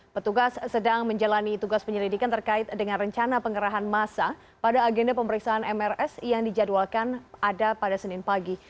petugas sedang menjalani tugas penyelidikan terkait dengan rencana pengerahan masa pada agenda pemeriksaan mrs yang dijadwalkan ada pada senin pagi